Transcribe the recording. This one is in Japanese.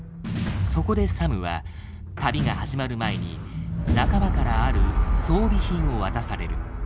そこでサムは旅が始まる前に仲間からある装備品を渡される。